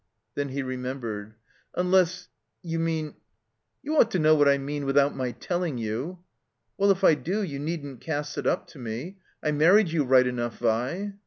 Then he remembered. "Unless — ^you mean —" "You ought to know what I mean without my telling you." "Well, if I do, you needn't cast it up to me. I married you right enough, Vi."